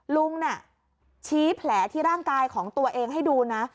ลุงน่ะชี้แผลที่ร่างกายของตัวเองให้ดูนะ